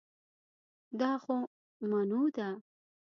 دا خو منو ده